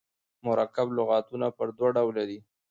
مرکب لغاتونه پر دوه ډوله دي.